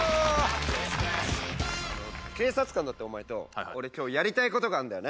警察官だったお前と俺今日やりたいことがあんだよね